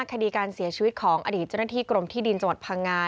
คดีการเสียชีวิตของอดีตเจ้าหน้าที่กรมที่ดินจังหวัดพังงา